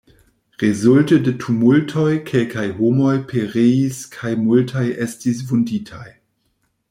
Rezulte de tumultoj kelkaj homoj pereis kaj multaj estis vunditaj.